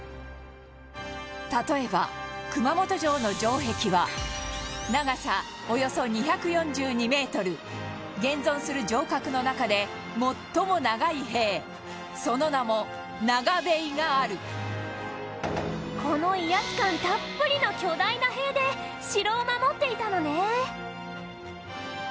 例えば、熊本城の城壁は長さ、およそ２４２ｍ現存する城郭の中で最も長い塀その名も、長塀があるこの威圧感たっぷりの巨大な塀で城を守っていたのね